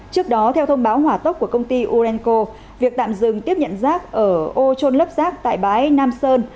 trước đó theo thông báo hỏa tốc của công ty urenco việc tạm dừng tiếp nhận giác ở ô trôn lớp giác tại bãi nam sơn